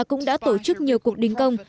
cũng đã tổ chức nhiều cuộc đình công